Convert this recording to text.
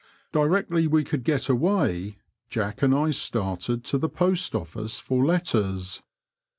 Directly we could get away, Jack and I started to the Post office for letters.